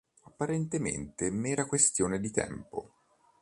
Apparentemente mera questione di tempo.